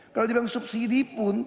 kalau bilang subsidi pun